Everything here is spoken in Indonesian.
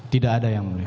tidak ada yang mulia